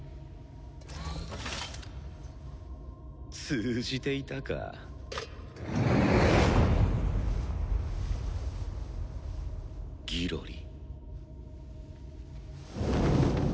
通じていたか。ギロリ。